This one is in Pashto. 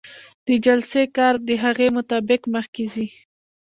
د جلسې کار د هغې مطابق مخکې ځي.